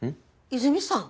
和泉さん